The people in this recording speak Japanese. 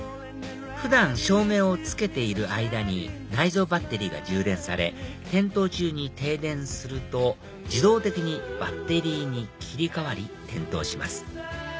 普段照明をつけている間に内蔵バッテリーが充電され点灯中に停電すると自動的にバッテリーに切り替わり点灯します